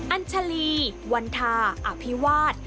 อัญชาลีวันทาอภิวาส